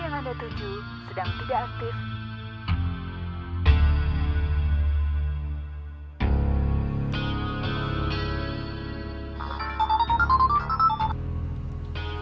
sedang tidak aktif